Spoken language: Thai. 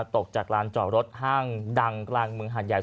ตกจากลานจอดรถ